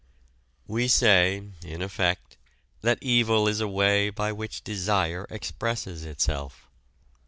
We say, in effect, that evil is a way by which desire expresses itself.